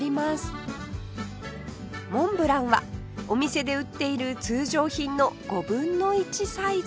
モンブランはお店で売っている通常品の５分の１サイズ